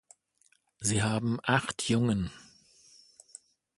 Sie haben acht Jungen.